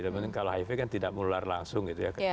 mungkin kalau hiv kan tidak melular langsung gitu ya